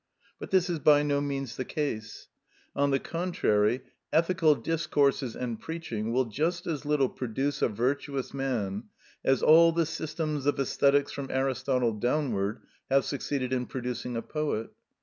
But this is by no means the case. On the contrary, ethical discourses and preaching will just as little produce a virtuous man as all the systems of æsthetics from Aristotle downwards have succeeded in producing a poet.